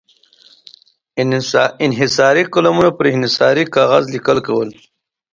انحصاري قلمونو پر انحصاري کاغذ لیکل کول.